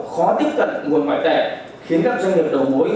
khó tiếp cận nguồn ngoại tệ khiến các doanh nghiệp đầu mối